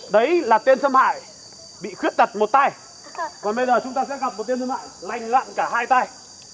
đấy là tên xâm hại bị khuyết tật một tay còn bây giờ chúng ta sẽ gặp một tên xâm hại lành lặn cả hai tay